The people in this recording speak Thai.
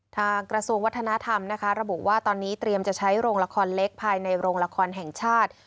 กระทรวงวัฒนธรรมนะคะระบุว่าตอนนี้เตรียมจะใช้โรงละครเล็กภายในโรงละครแห่งชาติ